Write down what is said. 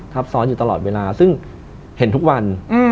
ซ้อนอยู่ตลอดเวลาซึ่งเห็นทุกวัน